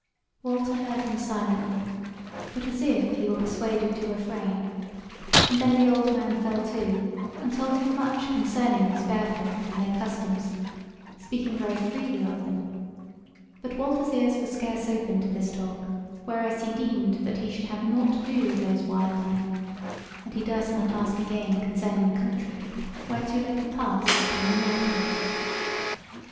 Walter heard him silently, but as if he were persuaded to refrain; and then the old man fell to, and told him much concerning this Bear folk and their customs, speaking very freely of them; but Walter's ears were scarce open to this talk: whereas he deemed that he should have nought to do with those wild men; and he durst not ask again concerning the country whereto led the pass on the northward.